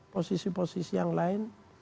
posisi posisi yang lain